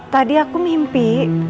tadi aku mimpi